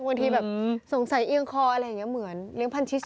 บางทีแบบสงสัยเอียงคออะไรอย่างนี้เหมือนเลี้ยงพันชิส